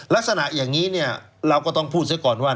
ลักษณะอย่างนี้เนี่ยเราก็ต้องพูดเสียก่อนว่า